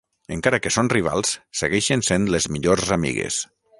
Encara que són rivals, segueixen sent les millors amigues.